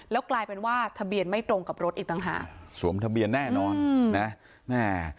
แล้วกลายเป็นว่าทะเบียนไม่ตรงกับรถอีกต่างหากสวมทะเบียนแน่นอนอืมนะแม่